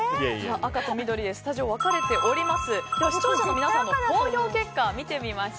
赤と緑でこちらも分かれております。